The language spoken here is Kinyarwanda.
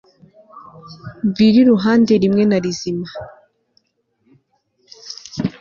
mvire iruhande rimwe na rizima